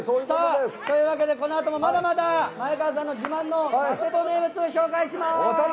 このあともまだまだ前川さんの自慢の佐世保名物ご紹介します！